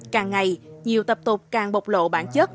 càng ngày nhiều tập tục càng bộc lộ bản chất